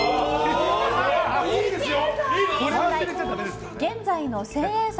いいですよ。